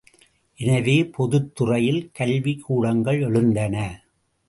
எனவே பொதுத் துறையில் கல்விக்கூடங்கள் எழுந்தன.